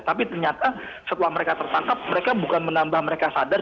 tapi ternyata setelah mereka tertangkap mereka bukan menambah mereka sadar